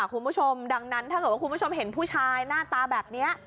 คุณผู้ชมดังนั้นถ้าเกิดว่าคุณผู้ชมเห็นผู้ชายหน้าตาแบบนี้